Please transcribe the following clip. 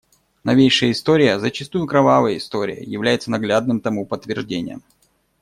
Новейшая история, зачастую кровавая история, является наглядным тому подтверждением.